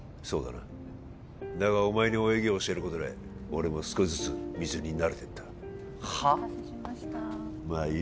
そうだなだがお前に泳ぎを教えることで俺も少しずつ水に慣れてったはあ！？